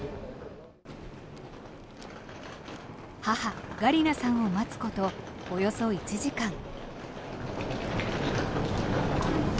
母・ガリナさんを待つことおよそ１時間。